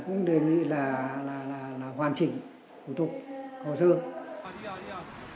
cũng đề nghị là hoàn chỉnh thủ tục hồ sơ